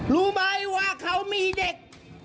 รู้ไหมว่าเขามีเด็ก